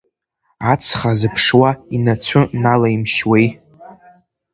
Ацха зыԥшуа инацәы налаимшьуеи.